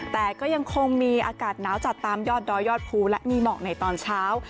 แต่ก็ยังคงมีอากาศหนาวจัดตามยอดดอยยอดภูและมีหมอกในตอนเช้า